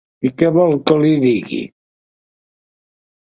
I què vol que li digui?